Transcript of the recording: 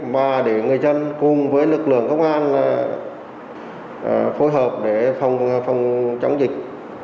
và để người dân cùng với lực lượng công an phối hợp để phòng chống dịch